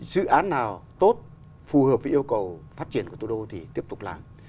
dự án nào tốt phù hợp với yêu cầu phát triển của thủ đô thì tiếp tục làm